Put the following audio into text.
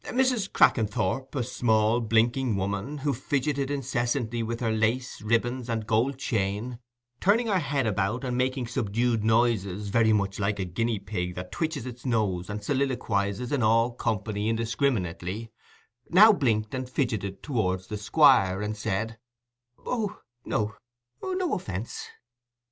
Mrs. Crackenthorp—a small blinking woman, who fidgeted incessantly with her lace, ribbons, and gold chain, turning her head about and making subdued noises, very much like a guinea pig that twitches its nose and soliloquizes in all company indiscriminately—now blinked and fidgeted towards the Squire, and said, "Oh, no—no offence."